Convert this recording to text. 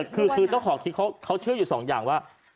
คือก็ขอคิดเขาเชื่ออยู่สองอย่างว่า